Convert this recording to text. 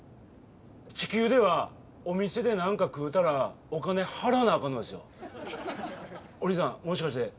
地球ではお店で何か食うたらお金払わなあかんのですよ。